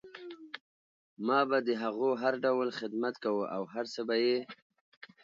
ما به د هغو هر ډول خدمت کوه او هر څه به یې